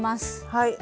はい。